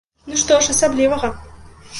Ну што ж асаблівага!